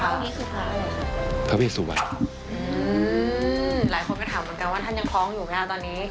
หลายคนก็ถามเหมือนกันว่าท่านยังคล้องอยู่นะครับตอนนี้